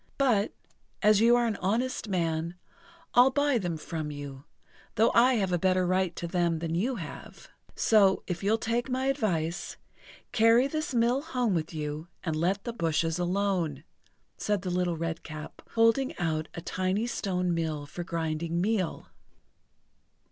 "But, as you are an honest man, I'll buy them from you, though I have a better right to them than you have. So, if you'll take my advice, carry this mill home with you, and let the bushes alone," said the Little Redcap, holding out a tiny stone mill for grinding meal.